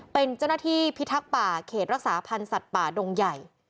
เป็นเจ้าหน้าที่พิทักษ์ป่าเขตรักษาพันธ์สัตว์ป่าดงใหญ่